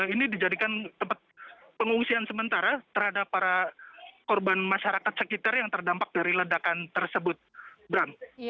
ini dijadikan tempat pengungsian sementara terhadap para korban masyarakat sekitar yang terdampak dari ledakan tersebut bram